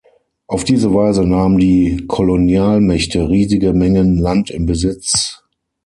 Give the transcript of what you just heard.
Auf diese Weise nahmen die Kolonialmächte riesige Mengen Land in Besitz.